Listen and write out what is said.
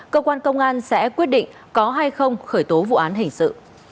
cơ quan công an sẽ quyết định có hay không khởi tố vụ án hình sự